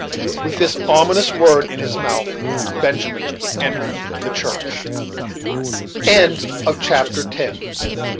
With this ominous word in his mouth Benjamin entered the church. CHAPTER XI.